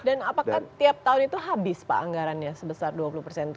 dan apakah tiap tahun itu habis pak anggarannya sebesar itu